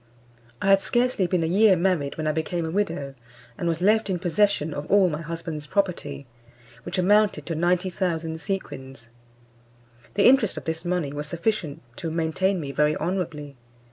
I had scarcely been a year married when I became a widow, and was left in possession of all my husband's property, which amounted to 90,000 sequins. The interest of this money was sufficient to maintain me very honourably.